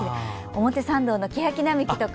表参道のけやき並木とか。